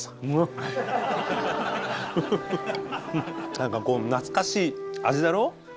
何かこう懐かしい味だろう？